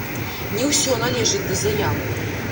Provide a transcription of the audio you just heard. Не ўсё належыць да заявы.